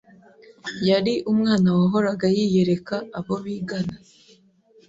Yari umwana wahoraga yiyereka abo bigana.